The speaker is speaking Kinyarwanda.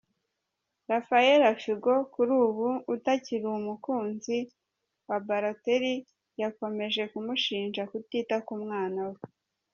Raffaella Fico, kuri ubu utakiri umukunzi wa Balotelli, yakomeje kumushinja kutita ku mwana we.